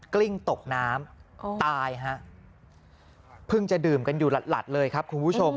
กลิ้งตกน้ำตายฮะเพิ่งจะดื่มกันอยู่หลัดเลยครับคุณผู้ชม